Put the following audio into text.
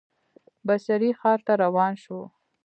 بصرې ښار ته روان شو.